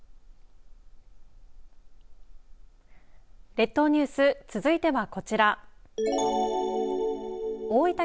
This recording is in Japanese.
列島ニュース続いてはこちら大分